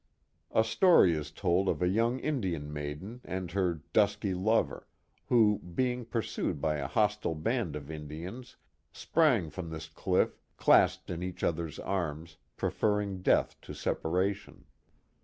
A story is told of a young Indian maiden and her dusky lover, who, being pursued by a hostile band of Indians, sprang from this cliff, clasped in each other's arms, preferring death to separation.